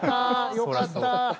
よかった。